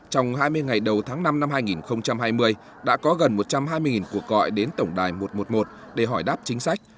trong hai mươi ngày đầu tháng năm năm hai nghìn hai mươi đã có gần một trăm hai mươi cuộc gọi đến tổng đài một trăm một mươi một để hỏi đáp chính sách